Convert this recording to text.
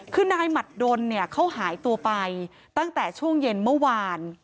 คือนายหมัดดนเนี่ยเขาหายตัวไปตั้งแต่ช่วงเย็นเมื่อวาน